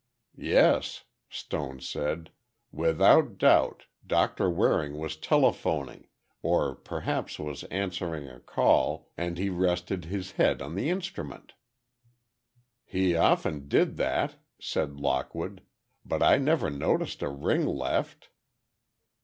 "Yes," Stone said. "Without doubt, Doctor Waring was telephoning—or perhaps was answering a call and he rested his head on the instrument." "He often did that," said Lockwood, "but I never noticed a ring left."